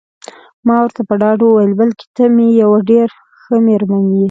ما ورته په ډاډ وویل: بلکل ته مې یوه ډېره ښه میرمن یې.